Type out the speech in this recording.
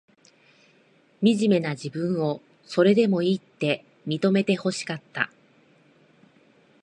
みじめな自分を、それでもいいって、認めてほしかった。